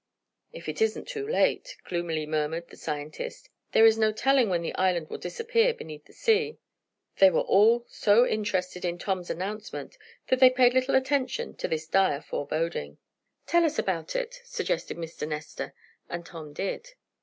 "If it isn't too late," gloomily murmured the scientist. "There is no telling when the island will disappear beneath the sea." But they were all so interested in Tom's announcement that they paid little attention to this dire foreboding. "Tell us about it," suggested Mr. Nestor. And Tom did.